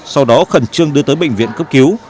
sau đó khẩn trương đưa tới bệnh viện cấp cứu